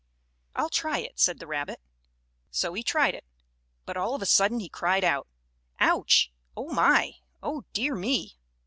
"I'll try it," said the rabbit. So he tried it, but, all of a sudden, he cried out: "Ouch! Oh, my! Oh, dear me!